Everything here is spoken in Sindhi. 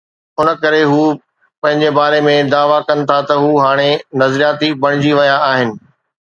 ان ڪري هو پنهنجي باري ۾ دعويٰ ڪن ٿا ته هو هاڻي نظرياتي بڻجي ويا آهن.